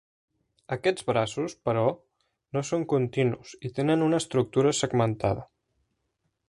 Aquests braços, però, no són continus i tenen una estructura segmentada.